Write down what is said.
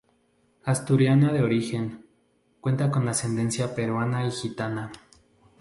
Asturiana de origen, cuenta con ascendencia peruana y gitana.